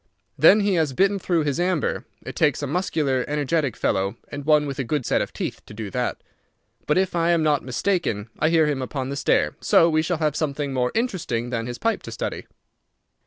Then he has bitten through his amber. It takes a muscular, energetic fellow, and one with a good set of teeth, to do that. But if I am not mistaken I hear him upon the stair, so we shall have something more interesting than his pipe to study."